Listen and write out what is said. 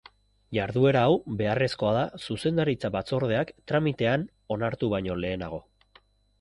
Jarduera hau beharrezkoa da Zuzendaritza Batzordeak tramitean onartu baino lehenago.